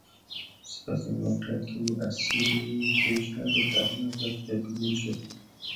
سپس این واقعیت که او اسیری بیش نبود در مغزش جایگزین شد.